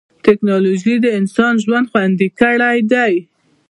ټکنالوجي د انسان ژوند خوندي کړی دی.